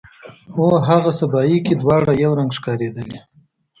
او هاغه سبایي کې دواړه یو رنګ ښکاریدلې